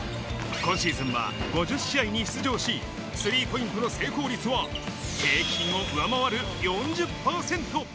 今シーズンは５０試合に出場し、スリーポイントの成功率は平均を上回る４０％。